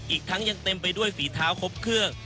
อีกทั้งยังเต็มไปด้วยฝีเท้าครบเครื่อง